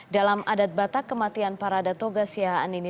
dalam adat batak kematian parada toga siahaan ini